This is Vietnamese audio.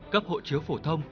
cấp hộ chiếu phổ thông